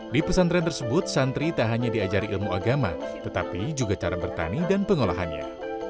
di pesantren tersebut santri tak hanya diajari ilmu agama tetapi juga cara bertani dan pengolahannya